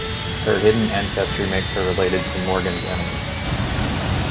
Her hidden ancestry makes her related to Morgon's enemies.